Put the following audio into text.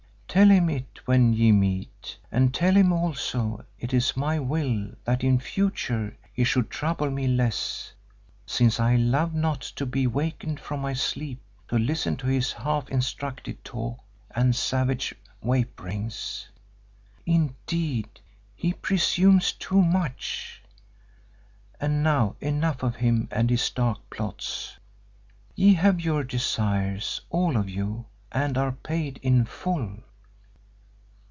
Tell him it when ye meet, and tell him also it is my will that in future he should trouble me less, since I love not to be wakened from my sleep to listen to his half instructed talk and savage vapourings. Indeed, he presumes too much. And now enough of him and his dark plots. Ye have your desires, all of you, and are paid in full."